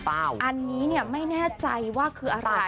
อันนี้ไม่แน่ใจว่าคืออะไร